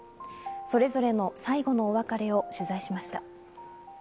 それぞれの最後のお別れを取材しました。